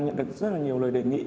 nhận được rất là nhiều lời đề nghị